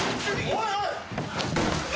おいおい！